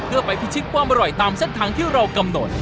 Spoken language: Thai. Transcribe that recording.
เพื่อไปพิชิตความอร่อยตามเส้นทางที่เรากำหนด